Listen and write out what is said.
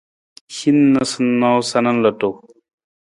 Hin noosanoosa na ludu.